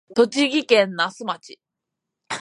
栃木県那須町